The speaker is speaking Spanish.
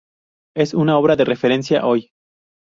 Es una obra de referencia hoy.